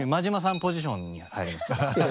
ポジションに入りますから。